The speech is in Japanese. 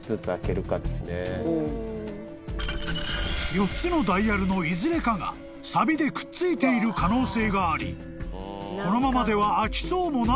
［４つのダイヤルのいずれかがさびでくっついている可能性がありこのままでは開きそうもないという］